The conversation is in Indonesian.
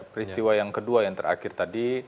peristiwa yang kedua yang terakhir tadi